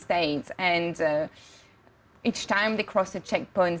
dan setiap kali mereka menguruskan otoritas